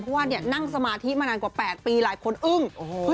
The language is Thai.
เพราะว่านั่งสมาธิมานานกว่า๘ปีหลายคนอึ้ง